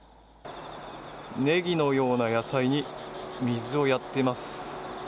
ネギのような野菜に水をやっています。